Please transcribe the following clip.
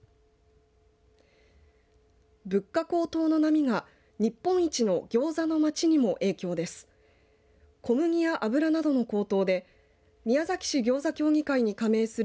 物価高騰の波が日本一のギョーザの街にも影響です。